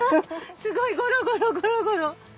すごいゴロゴロゴロゴロ。